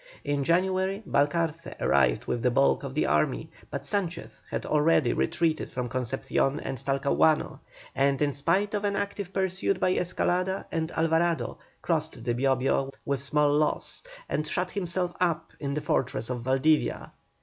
In January Balcarce arrived with the bulk of the army, but Sanchez had already retreated from Concepcion and Talcahuano, and in spite of an active pursuit by Escalada and Alvarado crossed the Bio Bio with small loss, and shut himself up in the fortress of Valdivia.